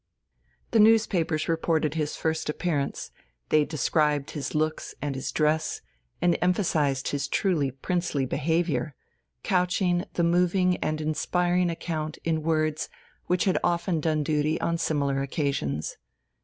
The newspapers reported his first appearance; they described his looks and his dress, and emphasized his truly princely behaviour, couching the moving and inspiring account in words which had often done duty on similar occasions.